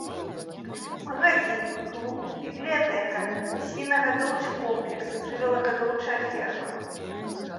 Магазін, клуб, бібліятэка, свінагадоўчы комплекс, жывёлагадоўчая ферма.